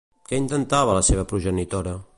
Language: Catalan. Què intentava la seva progenitora?